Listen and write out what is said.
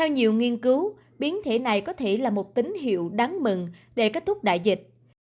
nhiều nghiên cứu biến thể này có thể là một tín hiệu đáng mừng để kết thúc đại dịch